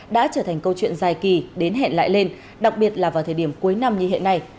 đã trở thành câu chuyện dài kỳ đến hẹn lại lên đặc biệt là vào thời điểm cuối năm như hiện nay